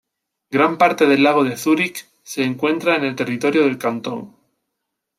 Gran parte del lago de Zúrich se encuentra en el territorio del cantón.